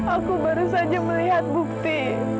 aku baru saja melihat bukti